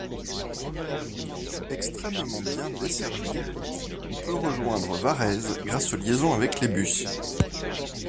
Extrêmement bien desservie, on peut rejoindre Varèse grâce aux liaisons avec les bus.